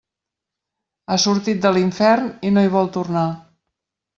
Ha sortit de l'infern i no hi vol tornar.